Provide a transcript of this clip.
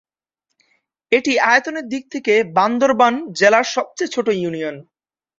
এটি আয়তনের দিক থেকে বান্দরবান জেলার সবচেয়ে ছোট ইউনিয়ন।